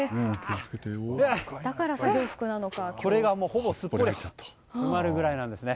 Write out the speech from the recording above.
これがほぼすっぽり埋まるくらいなんですね。